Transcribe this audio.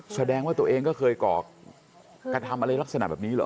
แสดงว่าตัวเองก็เคยก่อกระทำอะไรลักษณะแบบนี้เหรอ